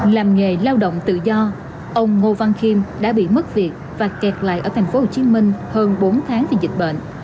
làm nghề lao động tự do ông ngô văn khiêm đã bị mất việc và kẹt lại ở tp hcm hơn bốn tháng vì dịch bệnh